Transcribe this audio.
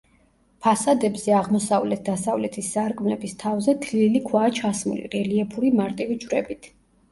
ფასადებზე აღმოსავლეთ-დასავლეთის სარკმლების თავზე თლილი ქვაა ჩასმული რელიეფური მარტივი ჯვრებით.